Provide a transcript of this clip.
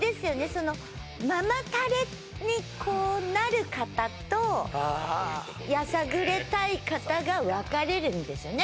そのママタレにこうなる方とやさぐれたい方が分かれるんですよね